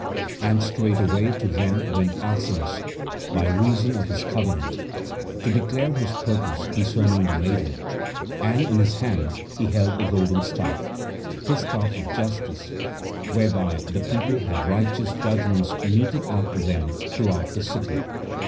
And straightway to them went Alcinous, by reason of his covenant, to declare his purpose concerning the maiden, and in his hand he held a golden staff, his staff of justice, whereby the people had righteous judgments meted out to them throughout the city.